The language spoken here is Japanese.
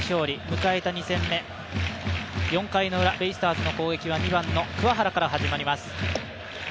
迎えた２戦目４回ウラベイスターズの攻撃は２番の桑原から始まります。